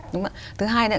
đúng không ạ thứ hai nữa